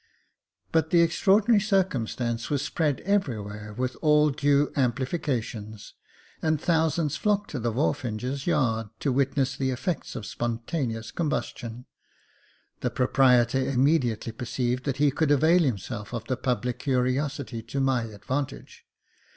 But the extraordinary 1 6 Jacob Faithful circumstance was spread everywhere, with all due ampli fications, and thousands flocked to the wharfinger's yard to witness the effects of spontaneous combustion. The proprietor immediately perceived that he could avail him self of the public curiosity to my advantage.